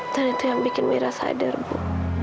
dan itu yang bikin mira sadar bu